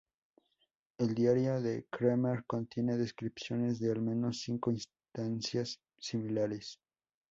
El diario de Kremer contiene descripciones de al menos cinco instancias similares.